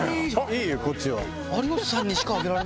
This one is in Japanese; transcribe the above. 「いいよこっちは」